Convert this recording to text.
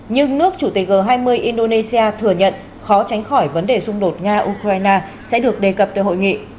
nhưng nước chủ tịch g hai mươi indonesia thừa nhận khó tránh khỏi vấn đề xung đột nga ukraine sẽ được đề cập tới hội nghị